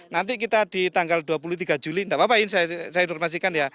nanti kita di tanggal dua puluh tiga juli tidak apa apa ini saya informasikan ya